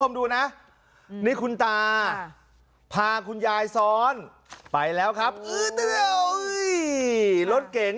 คุณผู้ชมดูนะนี้คุณตาพาคุณยายซ่อนไปแล้วครับรถเก่ง